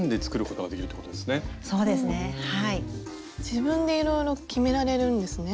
自分でいろいろ決められるんですね。